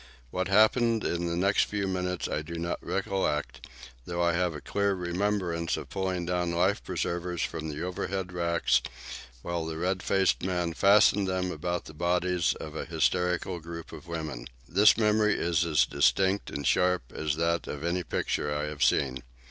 What happened in the next few minutes I do not recollect, though I have a clear remembrance of pulling down life preservers from the overhead racks, while the red faced man fastened them about the bodies of an hysterical group of women. This memory is as distinct and sharp as that of any picture I have seen.